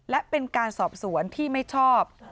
และเป็นการสอบสวนที่ไม่ชอบ